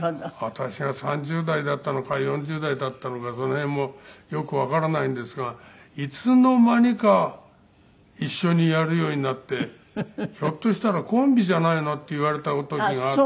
私が３０代だったのか４０代だったのかその辺もよくわからないんですがいつの間にか一緒にやるようになってひょっとしたらコンビじゃないのって言われた時があって。